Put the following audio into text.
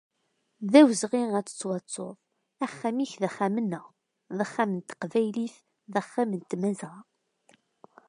D awezɣi ad tettwattuḍ, axxam-ik d axxam-nneɣ, d axxam n teqbaylit, d axxam n Tmazɣa.